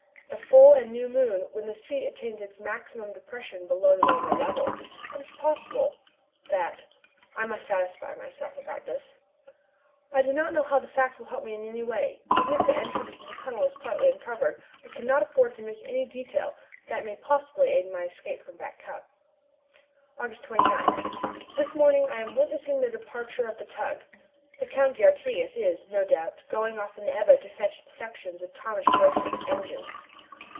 At the full and new moon, when the sea attains its maximum depression below the normal level, it is possible that I must satisfy myself about this. I do not know how the fact will help me in any way, even if the entrance to the tunnel is partly uncovered, but I cannot afford to miss any detail that may possibly aid in my escape from Back Cup. August 29. This morning I am witnessing the departure of the tug. The Count d'Artigas is, no doubt, going off in the Ebba to fetch the sections of Thomas Roch's engines.